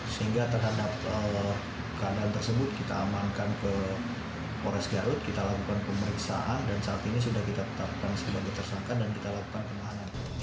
sehingga terhadap keadaan tersebut kita amankan ke pores garut kita lakukan pemeriksaan dan saat ini sudah kita tetapkan sebagai tersangka dan kita lakukan penahanan